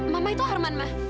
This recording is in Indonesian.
mama itu arman ma